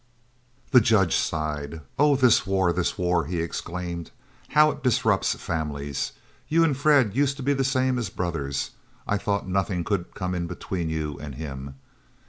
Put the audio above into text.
The Judge sighed, "Oh, this war! this war!" he exclaimed; "how it disrupts families! You and Fred used to be the same as brothers. I thought nothing could come in between you and him.